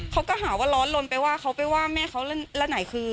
เขาก็หาว่าร้อนลนไปว่าเขาไปว่าแม่เขาแล้วไหนคือ